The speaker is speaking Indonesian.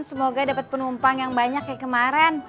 semoga dapat penumpang yang banyak kayak kemarin